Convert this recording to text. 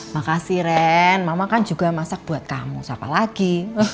makasih ren mama kan juga masak buat kamu siapa lagi